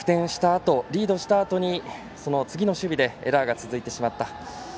あとリードしたあとに次の守備でエラーが続いてしまった。